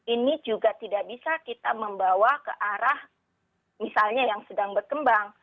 ini juga tidak bisa kita membawa ke arah misalnya yang sedang berkembang